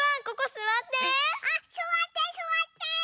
ここすわって！